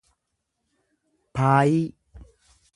paayii